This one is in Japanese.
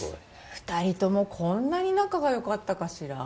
二人ともこんなに仲がよかったかしら？